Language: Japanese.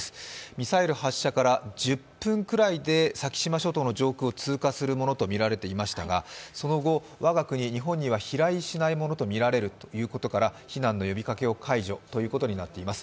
ミサイル発射から１０分くらいで先島諸島の上空を通過するものとみられていましたが、その後、我が国、日本には飛来しないものとみられるということから避難の呼びかけを解除ということになっています。